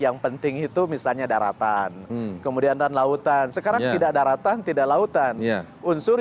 yang penting itu misalnya daratan kemudian dan lautan sekarang tidak daratan tidak lautan unsur